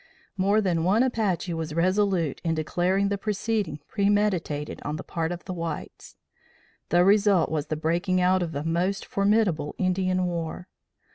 More than one Apache was resolute in declaring the proceeding premeditated on the part of the whites. The result was the breaking out of a most formidable Indian war.